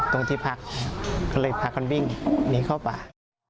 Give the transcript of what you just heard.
ตรงที่พักก็เลยพากันวิ่งหนีเข้าป่า